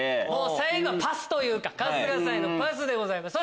最後はパスというか春日さんへのパスでございます。